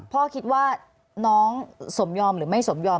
พ่อคิดว่าน้องสมยอมหรือไม่สมยอม